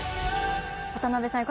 渡辺さん